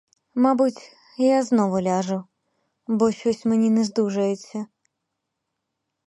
Мабуть, я знову ляжу, бо щось мені нездужається.